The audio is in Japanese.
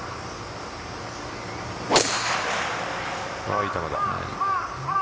いい球だ。